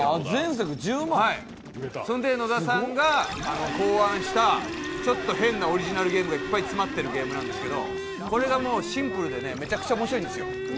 そんで野田さんが考案したちょっと変なオリジナルゲームがいっぱい詰まっているゲームなんですけどこれがシンプルでめちゃくちゃ面白いんですよ。